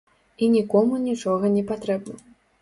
І нікому нічога не патрэбна.